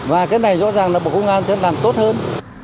và cái này rõ ràng là bộ công an sẽ làm tốt hơn